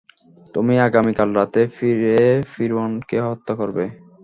তুমি আগামীকাল রাতে ফিরে ফিওরনেরকে হত্যা করবে?